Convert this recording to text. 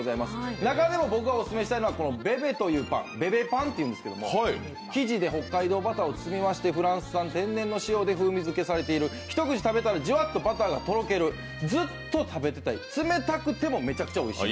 中でも僕がお勧めしたいのはベベというパン、ベベパンというんですけど生地で北海道バターを使いまして、風味づけされている、一口食べたらジワッとバターがとろける、ずっと食べてたい、冷たくてもめちゃくちゃおいしい。